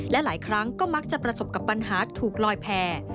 และหลายครั้งก็มักจะประสบกับปัญหาถูกลอยแพร่